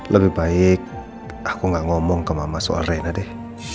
lebih baik aku gak ngomong ke mama so arena deh